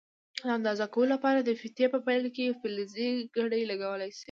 د اندازه کولو لپاره د فیتې په پیل کې فلزي کړۍ لګول شوې ده.